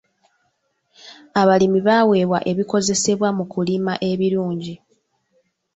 Abalimi baaweebwa ebikozesebwa mu kulima ebirungi.